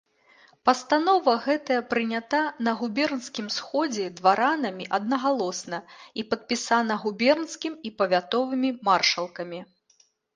Пастанова гэтая прынята на губернскім сходзе дваранамі аднагалосна і падпісана губернскім і павятовымі маршалкамі.